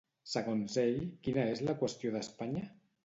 Segons ell, quina és la qüestió d'Espanya?